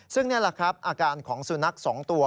ซึ่งนี่แหละครับอาการของสุนัข๒ตัว